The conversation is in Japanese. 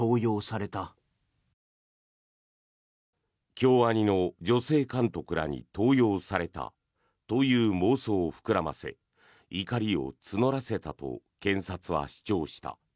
京アニの女性監督らに盗用されたという妄想を膨らませ怒りを募らせたと検察は主張した。